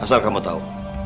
asal kamu tau